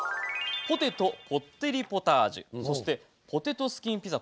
「ポテトポッテリポタージュ」そして、「ポテトスキンピザ」。